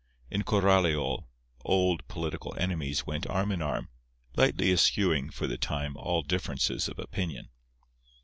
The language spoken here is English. In Coralio old political enemies went arm in arm, lightly eschewing for the time all differences of opinion.